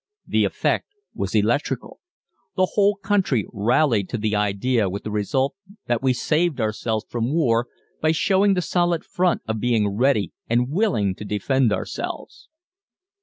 The effect was electrical. The whole country rallied to the idea with the result that we saved ourselves from war by showing the solid front of being ready and willing to defend ourselves.